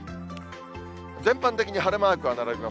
全般的に晴れマークが並びます。